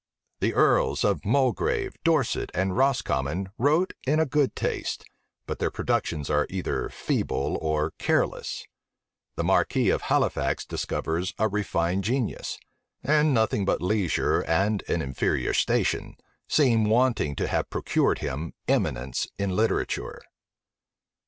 The earls of Mulgrave, Dorset, and Roscommon wrote in a good taste; but their productions are either feeble or careless. The marquis of Halifax discovers a refined genius; and nothing but leisure and an inferior station seem wanting to have procured him eminence in literature.